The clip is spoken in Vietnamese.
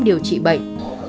điều trị bệnh